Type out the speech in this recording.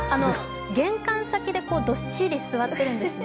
玄関先でどっしり座っているんですね。